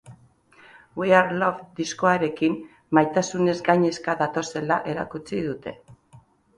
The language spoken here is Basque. We are love diskoarekin, maitasunez gainezka datozela erakutsi dute.